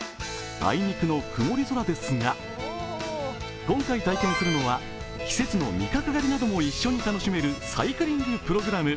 あいにくの曇り空ですが、今回体験するのは季節の味覚狩りなども一緒に楽しめるサイクリングプログラム。